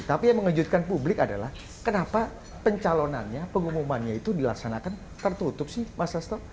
tapi yang mengejutkan publik adalah kenapa pencalonannya pengumumannya itu dilaksanakan tertutup sih mas sasto